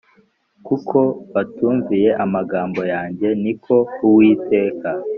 kuko batumviye amagambo yanjye ni ko Uwiteka